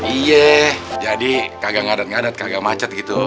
iya jadi kagak ngadet ngadet kagak macet gitu